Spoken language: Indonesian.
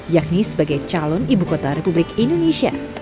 yakni sebagai calon ibukota republik indonesia